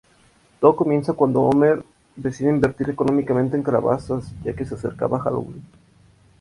Todo comienza cuando Homer decide invertir económicamente en calabazas, ya que se acercaba Halloween.